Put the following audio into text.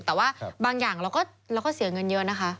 แต่ว่าบางอย่างเราก็เสียเงินเยอะนะคะ